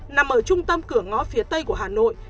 nằm ở trung tâm cửa ngõ phía tây của hà nội